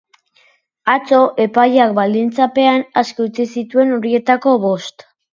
Atzo, epaileak baldintzapean aske utzi zituen horietako bost.